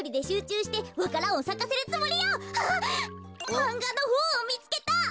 まんがのほんをみつけた。